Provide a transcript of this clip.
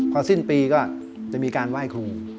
พอสิ้นปีก็จะมีการไหว้ครู